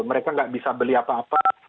mereka nggak bisa beli apa apa